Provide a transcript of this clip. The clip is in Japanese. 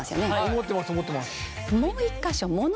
思ってます思ってます。